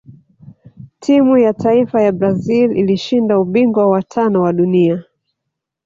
timu ya taifa ya brazil ilishinda ubingwa wa tano wa dunia